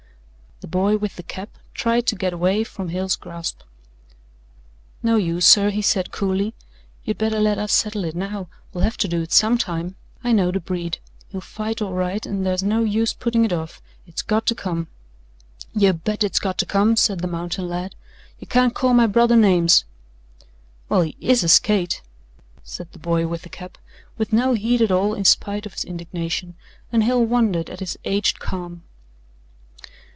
The boy with the cap tried to get away from Hale's grasp. "No use, sir," he said coolly. "You'd better let us settle it now. We'll have to do it some time. I know the breed. He'll fight all right and there's no use puttin' it off. It's got to come." "You bet it's got to come," said the mountain lad. "You can't call my brother names." "Well, he IS a skate," said the boy with the cap, with no heat at all in spite of his indignation, and Hale wondered at his aged calm.